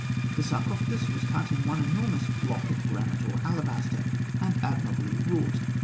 The sarcophagus was cut in one enormous block of granite or alabaster, and admirably wrought.